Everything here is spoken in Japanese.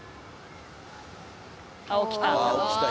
あっ起きた。